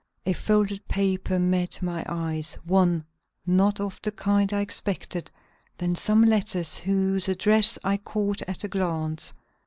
A folded paper met my eyes one not of the kind I expected; then some letters whose address I caught at a glance.